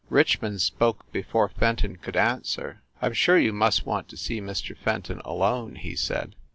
Richmond spoke before Fenton could answer. "I m sure you must want to see Mr. Fenton alone," he said.